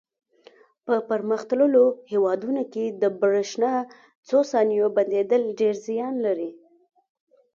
په پرمختللو هېوادونو کې د برېښنا څو ثانیو بندېدل ډېر زیان لري.